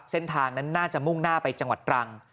เส้นทางนั้นน่าจะมุ่งหน้าไปจังหวัดตรัง